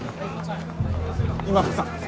今福さん！